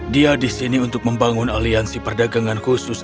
dia di sini untuk membangun aliansi perdagangan khusus